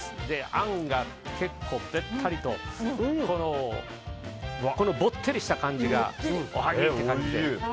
あんが結構べったりとこのぼってりした感じがおはぎって感じで。